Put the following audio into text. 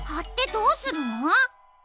どうするの？